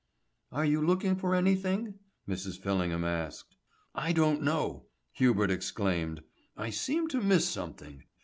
"Are you looking for anything?" Mrs. Fillingham asked. "I don't know," Hubert exclaimed. "I seem to miss something.